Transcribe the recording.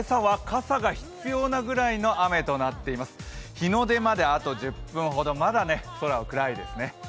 日の出まであと１０分ほどまだ空は暗いですね。